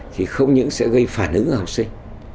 thì không những sẽ gây phản ứng cho học sinh